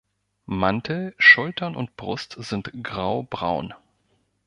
Mantel, Schultern und Brust sind graubraun.